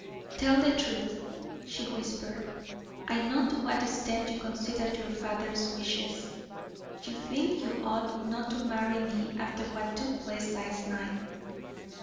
"Tell the truth," she whispered. "I know to what extent you consider your father's wishes. You think you ought not to marry me after what took place last night.